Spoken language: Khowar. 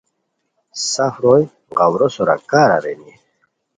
سف روئے غورو سورہ کار ارینی